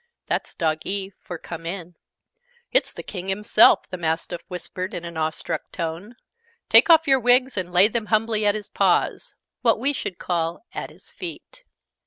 (That's Doggee for "Come in!") "It's the King himself!" the Mastiff whispered in an awestruck tone. "Take off your wigs, and lay them humbly at his paws." (What we should call "at his feet.")